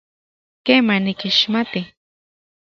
Kema, nikixmati.